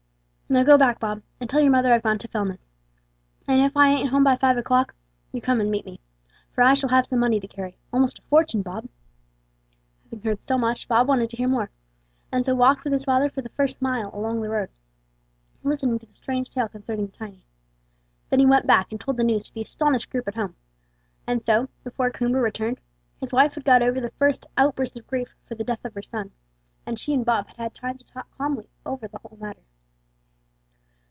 "Now go back, Bob, and tell your mother I've gone to Fellness; and if I ain't home by five o'clock, you come and meet me, for I shall have some money to carry almost a fortune, Bob." Having heard so much, Bob wanted to hear more, and so walked with his father for the first mile along the road, listening to the strange tale concerning Tiny. Then he went back, and told the news to the astonished group at home; and so, before Coomber returned, his wife had got over the first outburst of grief for the death of her son, and she and Bob had had time to talk calmly over the whole matter.